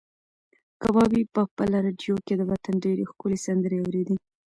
کبابي په خپله راډیو کې د وطن ډېرې ښکلې سندرې اورېدې.